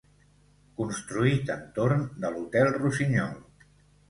Construït entorn de l'Hotel Rossinyol.